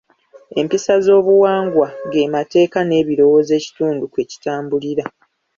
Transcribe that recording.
Empisa z'obuwangwa g'emateeka n'ebirowoozo ekitundu kwe kitambulira.